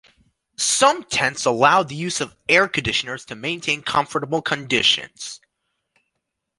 Some tents allow the use of air conditioners to maintain comfortable conditions.